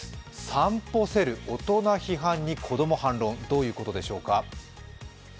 さんぽセル、大人批判に子供反論、どういうことでしょうか。